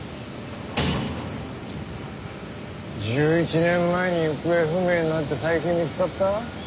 １１年前に行方不明になって最近見つかった？